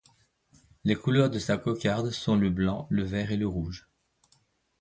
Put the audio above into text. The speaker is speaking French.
Les couleurs de sa cocarde sont le blanc, le vert et le rouge.